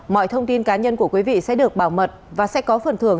mọi thông tin cá nhân của quý vị sẽ được bảo mật và sẽ có phần thưởng